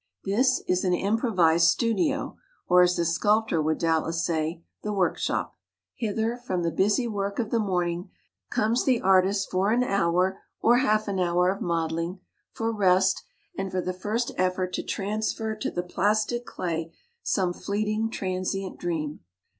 This is an improvised studio or, as the sculptor would doubtless say, the work shop. Hither, from the busy work of the morning, comes the artist for an hour or half an hour of modeling for rest, and for the first effort to transfer to the plastic clay some fleeting transient dream.